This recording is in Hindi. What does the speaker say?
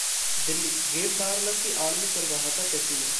दिल्लीः गेम पार्लर की आड़ में चल रहा था कैसीनो